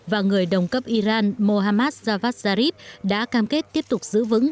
và người đồng cấp iran mohammad javad zarif đã cam kết tiếp tục giữ vững